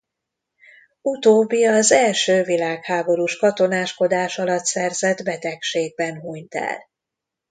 Utóbbi az első világháborús katonáskodás alatt szerzett betegségben hunyt el.